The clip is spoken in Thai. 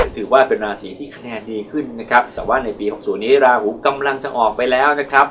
ถือว่าเป็นราศีที่คะแนนดีขึ้นนะครับแต่ว่าในปี๖๐นี้ราหูกำลังจะออกไปแล้วนะครับ